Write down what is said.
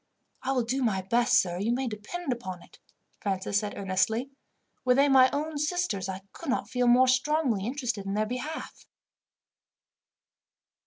"I will do my best, sir, you may depend upon it," Francis said earnestly. "Were they my own sisters, I could not feel more strongly interested in their behalf."